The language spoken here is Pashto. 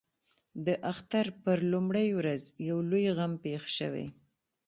د اختر پر لومړۍ ورځ یو لوی غم پېښ شوی.